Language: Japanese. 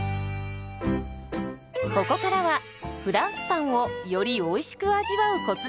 ここからはフランスパンをよりおいしく味わうコツです。